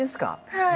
はい。